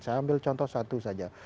saya ambil contoh satu saja